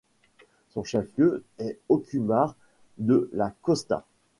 Son chef-lieu est Ocumare de la Costa.